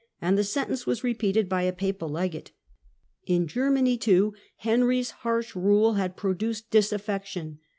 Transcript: and the sentence was repeated by the papal legate. In Germany, too, Henry's harsh rule had produced dis affection.